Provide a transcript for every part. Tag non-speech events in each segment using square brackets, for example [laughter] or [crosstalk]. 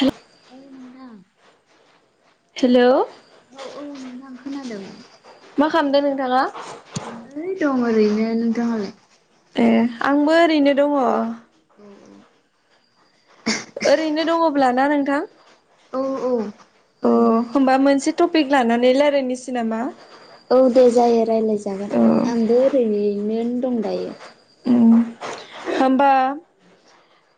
हेल औ नोंथां हेल' औ औ नोंथां खोनादों मा खामदो नोंथाङा? ओइ दं ओरैनो। नोंथाङालाय? ए आंबो ओरैनो दङो ओरैनो दङब्ला ना नोंथां औ औ ओ ओरैनो दं हबा मोनसे टपिक लानानै लायरायनोसै नामा? औ दे जायो रायज्लाय जागोन अ आंबो ओरैनो न'यनो दं दायो। उम होमबा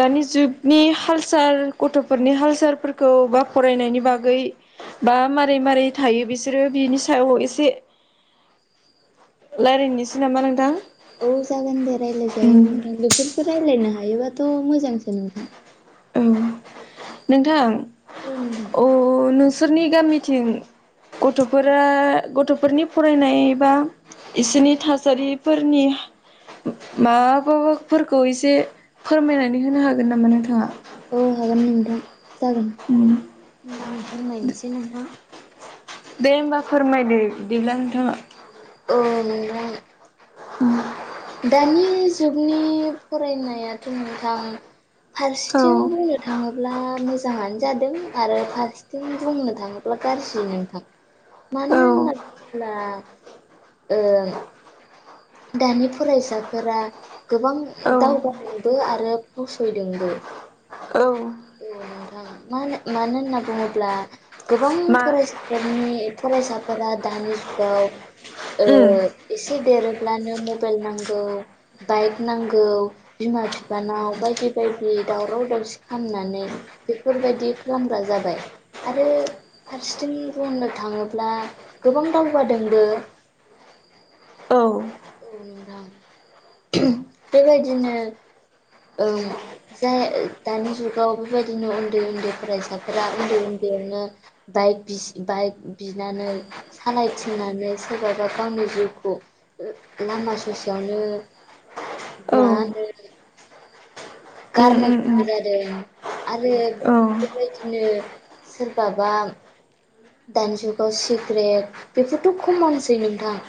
दानि जुगनि हाल साल गथ'फोरनि हाल-सालफोरखौ बा फरायनायनि बागै बा मारै मारै थायो बिसोरो बिनि सायाव एसे लायरायनोसै नामा नोंथां? औ जागोन दे रायलाय जायो उम नोंथां बेफोरखौ रायलायनो हायोबाथ' मोजांसो नोंथां। औ नोंथां औ नोंथां ओ नोंसोरनि गामिथिं गथ'फोरा गथ'फोरनि फरायनाय बा इसोरनि थासारिफोरनि माबा- फोरखौ एसे फोरमायनानै होनो हागोन नामा नोंथाङा? औ हागोन नोंथां जागोन उम होमबा आं फोरमायनोसै नोंथां दे होमबा फोरमायदो बिदिब्ला नोंथाङा ओ नोंथां दानि जुगनि फरायनायाथ' नोंथां औ फारसेथिं बुंनो थाङो अब्ला मोजाङानो जादों आरो फारसेथिं बुंनो थाङोब्ला गाज्रि नोंथां औ मानिन मादला ओ दानि फरायसाफोरा गोबां औ दावगादोंबो आरो फावसयदोंबो औ औ नोंथां म मानो होनना बुङोब्ला गोबां मा फरायसाफोरनि फरायसाफोरा दानि जुगाव उम एसे देरोब्लानो मबाइल नांगौ बाइक नांगौ बिमा बिफानाव बायदि बायदि दावराव दावसि खालामनानै बेफोरबायदि खालामग्रा जाबाय आरो फारसेथिं बुंनो थाङोब्ला गोबां दावगादोंबो औ औ नोंथां [inaudible] बेबायदिनो ओ जाय दानि जुगाव बेबायदिनो उन्दै उन्दै फरायसाफोरा उन्दै उन्दैयावनो बाइक बि- बाइक बिनानै सालायथिंनानै सोरबाबा गावनि जिउखौ लामा ससेयावनो औ मा होनो उम गारनो उम गोनां उम जादों आरो औ बेबायदिनो सोरबाबा दानि जुगाव सिग्रेट बेफोरथ' खमनसै नोंथां।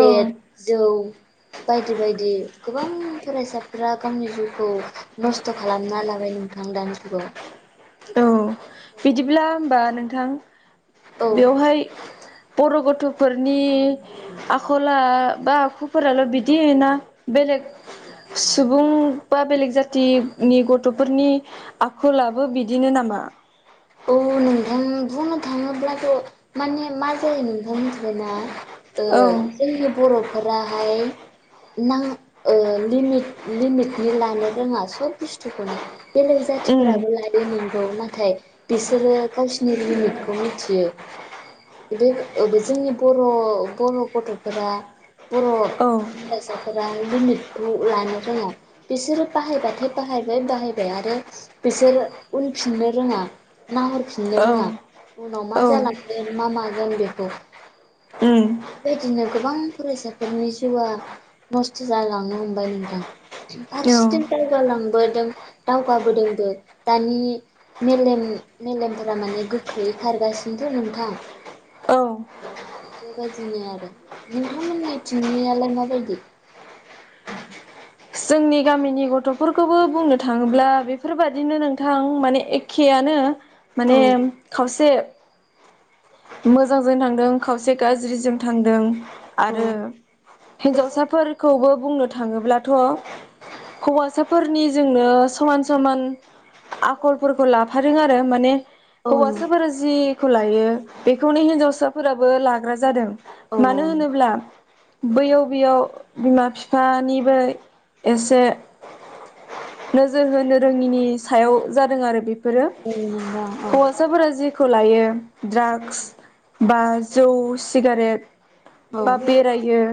औ जौ बायदि बायदि गोबां फरायसाफोरा गावनि जिउखौ नस्थ' खालामना लाबाय नोंथां दानि जुगाव। औ बिदिब्ला होमबा नोंथां औ बेवहाय बर' गथ'फोरनि आखला बा आखुफोराल' बिदि ना बेलेग सुबुं बा बेलेग जाथिनि गथ'फोरनि आखलाबो बिदिनो नामा? औ नोंथां बुंनो थाङोब्लाथ' माने मा जायो नोंथां मिथिबायना औ जोंनि बर'फोराहाय ना ओ लिट लिमिटनि लानो रोङा सब बुस्थुखौनो बेले उम जाथिफोराबो लायो नंगौ नाथाय बिसोरो गावसिनि लिमिटखौ मिथियो। [unintelligible] बे जोंनि बर' बर' गथ'फोरा बर' औ फरायसाफोरा लिमिट [unintelligible] लानो रोङा बिसोरो बाहायबथाय बाहायबाय बाहायबाय आरो बिसोर उनफिननो रोङा नाहरफिननो औ रोङा उनाव मा औ जालांगोन मा मागोन बेखौ। उम बेबायदिनो गोबां फरायसाफोरनि जिउआ नस्थ' जालांनो हमबाय नोंथां। औ फारसेथिं दावगालांबोदों दावगाबोदोंबो दानि मेलेम मेलेमफोरा माने गोख्रै खारगासिनोथो नोंथां। औ बेबायदिनो आरो नोंथांमोननि थिंनियालाय माबायदि? जोंनि गामिनि गथ' फोरखौबो बुंनो थाङोब्ला बेफोरबादिनो नोंथां माने एखेयानो। औ माने खावसे, मोजांजों थांदों खावसे गाज्रिजों थांदों औ आरो हिनजावसाफोरखौबो बुंनो थाङोब्लाथ' हौवासाफोरनि जोंनो समान समान आखलफोरखौ लाफादों आरो माने औ हौवसाफोर जि खौ लायो बेखौनो हिनजावसाफोराबो लाग्रा जादों औ मानो होनोब्ला बैयाव बैयाव बिमा बिफानिबो एसे नोजोर होनो रोङिनि सायाव जादों आरो बे फोरो नोंथां औ हौवा साफोरा जेखौ लायो द्राग्स बा जौ सिगारेट औ बा बेरायो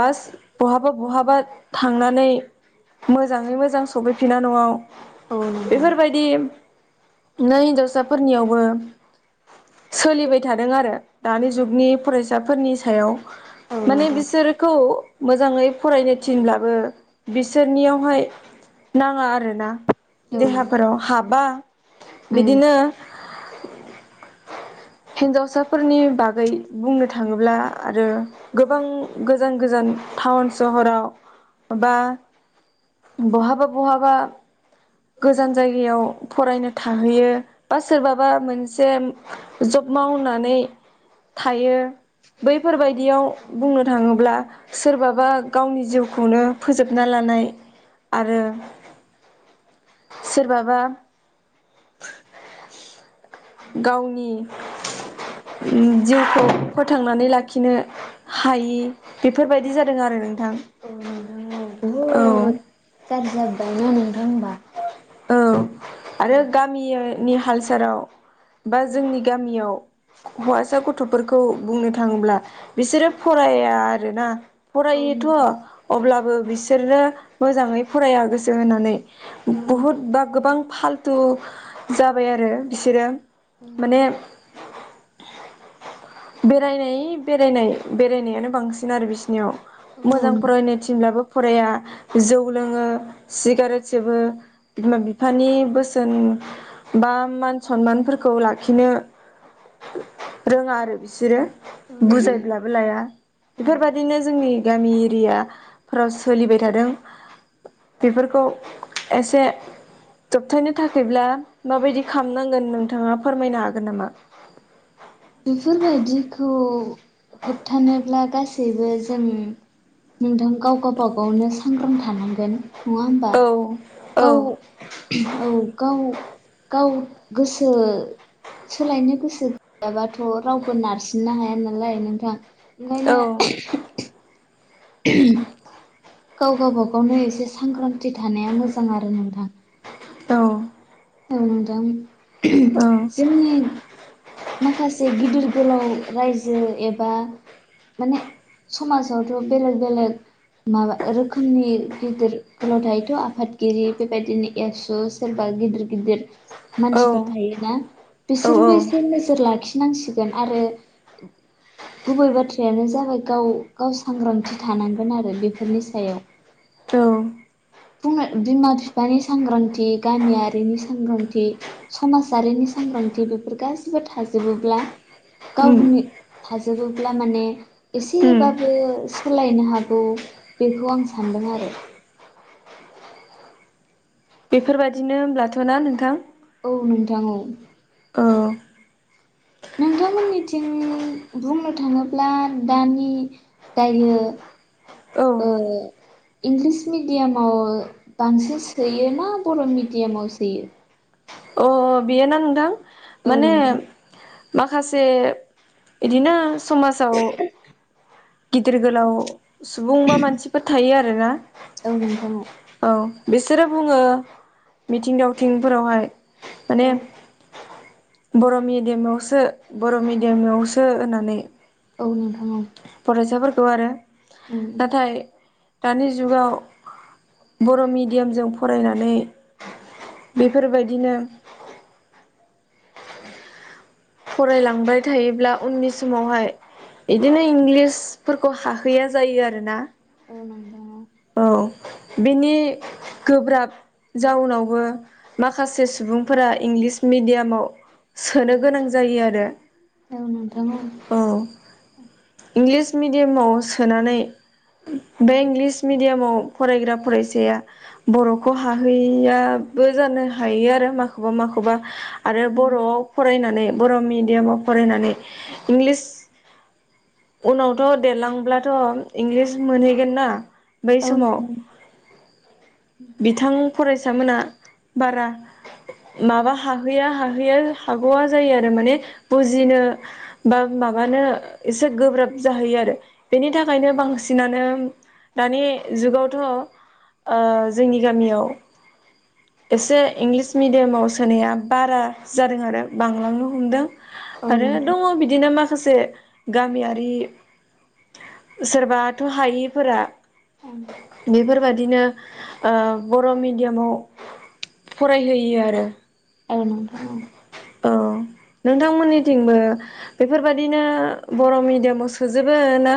बास बहाबा बहाबा थांनानै मोजाङै मोजां सफैफिनो न'आव औ नोंथां बेफोरबायदि नै हिन्जावसाफोरनियावबो सोलिबाय थादों आरो दानि जुगनि फरायसाफोरनि औ सायाव। माने नोंथां बिसोरखौ मोजाङै फरायनो थिनब्लाबो बिसोरनियावहाय नाङा आरोना उम देहाफोराव हाबा। बिदिनो हिनजावसाफोरनि बागै बुंनो थाङोब्ला आरो गोबां गोजान गोजान टाउन सहराव बा बहाबा बहाबा गोजान जायगायाव फरायनो थाहैयो। बा सोरबाबा मोनसे जब मावनानै थायो। बैफोरबायदियाव बुंनो थाङोब्ला सोरबाबा गावनि जिउखौनो फोजोब आरो सोरबाबा गावनि जिउखौ फोथांनानै लाखिनो हायि बेफोरबायदि जादों आरो नोंथां। औ नोंथां औ औ बहुद गाज्रि जाबोबायना नोंथां होमबा? औ औ आरो गामिनि हाल सालाव बा जोंनि गामियाव हौवासा गथ'फोरखौ बुंनो थाङोब्ला बिसोरो फराया आरोना औ फरायोथ' अब्लाबो बिसोरनो मोजाङै फराया गोसो होननानै। बुहुद बा गोबां फालथु जाबाय आरो बिसोरो। माने बेरायनाय बेरायनाय बेरायनायानो बांसिन आरो बिसिनियाव। मोजां फरायनो थिनब्लाबो फराया जौ लोङो सिगारेट सोबो बिमा बिफानि बोसोन बा मान सनमानफोरखौ लाखिनो रोङा आरो बिसोरो। बुजायब्लाबो लाया बेफोरबायादिनो जोंनि गामि एरियाफोराव सोलिबाय थादों बेफोरखौ एसे दबथायनो थाखायब्ला माबायदि खालामनांगोन नोंथाङा फोरमायनो हागोन नामा? बेफोरबायदिखौ होबथानोब्ला गासै सैबो जों नोंथां गाव गावबागावनो सांग्रां थानांगोन। नङा होमबा औ औ गाव औ गाव गाव गोसो सोलायनो गोसो गैयाबाथ' रावबो नारसिननो हाया नालाय नोंथां ओंखायनो औ उ गाव गावबागावनो एसे सांग्रांथि थानाया मोजां आरो नोंथां औ औ नोंथां औ जोंनि माखासे गिदिर गोलाव रायजो एबा माने समाजावथ' बेलेग बेलेग माबा रोखोमनि गिदिर गोलाव थायोथ' आफादगिरि बेबायदिनो एबसु सोरबा गिदिर गिदिर मानसिफोर औ थायोना? औ बिसोरबो एसे नोजोर लाखिनांसिगोन आरो गुबै बाथ्रायानो जाबाय गाव गाव सांग्रांथि थानांगोन आरो बेफोरनि सायाव। बिमा बिफानि सांग्रांथि गामियारिनि सांग्रांथि समाजारिनि सांग्रांथि बेफोर गासिबो थाजोबोब्ला उम गावनि थाजोबोब्ला माने उम एसेबाबो सोलायनो हागौ। बेखौ आं सान्दों आरो बेफोरबायदिनो होनब्लाथ' ना नोंथां? औ नोंथां औ। औ नोंथांमोननिथिं बुंनो थाङोब्ला दानि दायो औ ओ इंलिस मिडियामाव बांसिन सोयो ना बर' मिडियामाव सोयो? अ बियो ना नोंथां औ माने नोंथां माखासे इदिनो समाजाव गिदिर गोलाव सुबुं बा मानसिफोर थायो आरोना औ नोंथां औ। औ बिसोरो बुङो मिथिं दावथिंफोरावहाय माने औ बर' मिडियामाव सो बर' मिडियामाव सो होननानै। औ नोंथां औ। फरायसाफोरखौ आरो उम नाथाय दानि जुगाव बर' मिडियामजों फरायनानै बेफोरबायदिनो फरायलांबाय थायोब्ला उननि समावहाय इदिनो इंलिसफोरखौ हाहैया जायो आरोना औ नोंथां। औ बिनि गोब्राब जाउनावबो माखासे सुबुंफोरा इंलिस मेडियामाव सोनो गोनां जायो आरो औ नोंथां औ। इंलिस मेडियामाव सोनानै बे इंलिस मिडियामाव फरायग्रा फरायसाया बर'खौ हाहैयाबो जानो हायो आरो माखौबा माखौबा। आरो औ नोंथां औ बर'आव फरायनानै बर' मिडियामाव फरायनानै इंलिस उनावथ' देरलांब्लाथ' इंलिस मोनहैगोन ना। बै औ समाव नोंथां बिथां फरायसा मोना बारा माबा हाहैया हाहैया हागौआ जायो आरो माने बुजिनो बा माबानो एसे गोब्राब जाहैयो आरो बेनि थाखायनो बांसिनानो दानि जुगावथ' जोंनि गामियाव एसे इंलिस मिडियामाव सोनाया बारा जादों आरो बांलांनो हमदों। औ नोंथां औ आरो नोंथां दङ बिदिनो माखासे गामियारि। सोरबाथ' हायिफोरा बेफोरबा दिनो बर' मेडियामाव फरायहोयो आरो। औ नोंथां औ। औ नोंथांमोननिथिंबो बेफोरबायाददिनो बर' मिडियामाव सोजोबो ना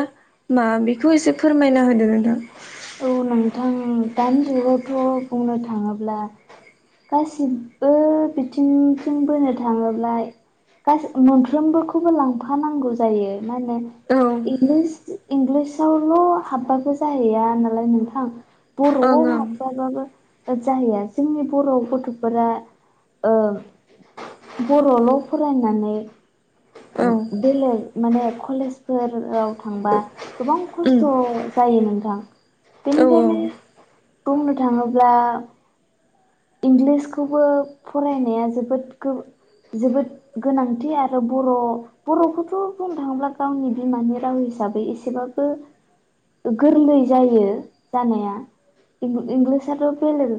मा बेखौ एसे फोरमायना होदो नोंथां? औ नोंथां दानि जुगावथ' बुंनो थाङोब्ला गासिबबो बिथिंथिं बोनो थाङोब्ला गासै-मोनफ्रोमबोखौबो लांफानांगौ जायो मा होनो इंलिस इंलिसावल' हाबबाबो जाहैया नालाय नोंथां। औ बर'आव हाबबाबो जाहैया जोंनि बर' गथ'फोरा ओ बर'ल' फरायनानै ओं औ बेलेग माने कलेजफोराव थांबा गोबां उम खस्थ' जायो नोंथां औ बेनिखायनो बुंनो थाङोब्ला इंलिसखौबो फरायनाया जोबोद गो-जोबोद गोनांथि आरो बर' बर'खौथ' बुंनो थाङोब्ला गावनि बिमानि राव हिसाबै एसेबाबो ओ गोरलै जायो जानाया इं-इंलिसआथ' बेलेग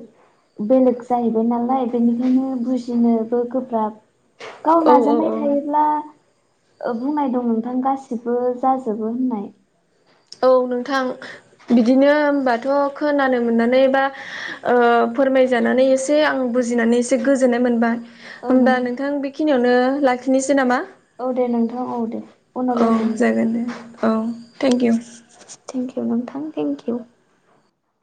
बेलेग जाहैबाय नालाय बेनिखायनो बुजिनोबो गोब्राब गाव औ नाजानाय औ थायो ब्ला ओ बुंनाय दं नोंथां गासिबो जाजोबो होननाय औ नोंथां बिदिनो होमबाथ' खोनानो मोननानै बा ओ फोरमायजानानै एसे आं बुजिनानै एसे गोजोननाय मोनबा होमबा नोंथां बेखिनियावनो लाखिनोसै नामा? औ दे नोंथां औ दे उनाव औ लोगो मोन जागोन दे। औ थेंक किउ। थेंक किउ नोंथां थेंक किउ।